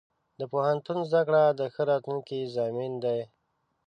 د پوهنتون زده کړه د ښه راتلونکي ضمانت دی.